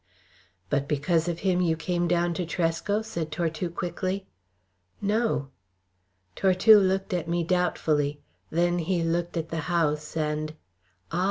"But because of him you came down to Tresco?" said Tortue quickly. "No." Tortue looked at me doubtfully. Then he looked at the house, and "Ah!